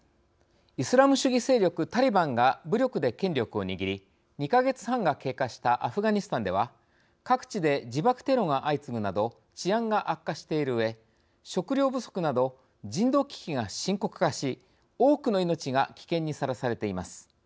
イスラム主義勢力タリバンが武力で権力を握り２か月半が経過したアフガニスタンでは各地で自爆テロが相次ぐなど治安が悪化しているうえ食料不足など人道危機が深刻化し多くの命が危険にさらされています。